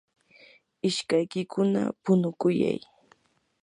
ishkaykikuna punukuyay.